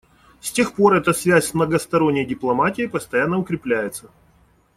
С тех пор эта связь с многосторонней дипломатией постоянно укрепляется.